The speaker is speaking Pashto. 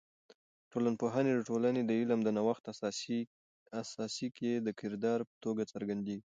ټولنپوهی د ټولنې د علم د نوښت اساسي کې د کردار په توګه څرګندیږي.